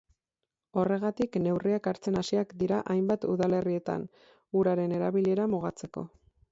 Horregatik, neurriak hartzen hasiak dira hainbat udalerritan, uraren erabilera mugatzeko.